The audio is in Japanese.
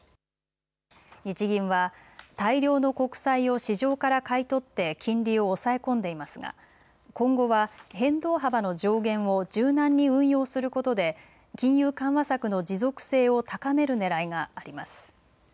日銀は大量の国債を市場から買い取って金利を抑え込んでいますが今後は変動幅の上限を柔軟に運用することで金融緩和策の持続性を高めるねらいがあります。